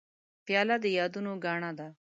پیاله د یادونو ګاڼه ده.